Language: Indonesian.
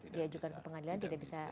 diajukan ke pengadilan tidak bisa